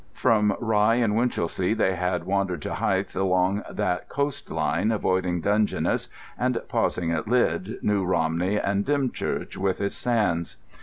From Rye and Winchelsea they had wandered to Hythe along that coastline, avoiding Dungeness, and pausing at Lydd, New Romney, and Dymchurch with its sands.